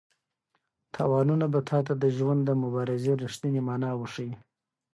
تاوانونه به تا ته د ژوند د مبارزې رښتینې مانا وښيي.